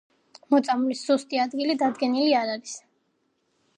მოწამვლის ზუსტი ადგილი დადგენილი არ არის.